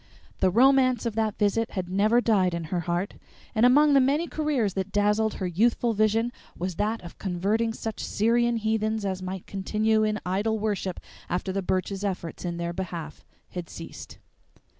The romance of that visit had never died in her heart, and among the many careers that dazzled her youthful vision was that of converting such Syrian heathen as might continue in idol worship after the Burches' efforts in their behalf had ceased.